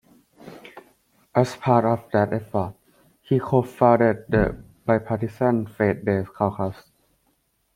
As part of that effort, he co-founded the bipartisan Faith-Based Caucus.